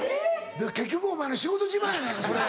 結局お前の仕事自慢やないかそれ。